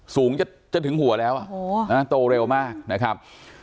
สูงจนถึงหัวแล้วโตเร็วมากนะครับ